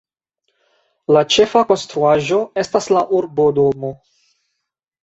La ĉefa konstruaĵo estas la Urbodomo.